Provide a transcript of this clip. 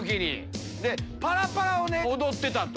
パラパラを踊ってたと。